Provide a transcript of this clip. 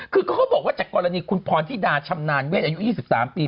คือเขาบอกว่าจากกรณีคุณพรธิดาชำนาญเวทอายุ๒๓ปี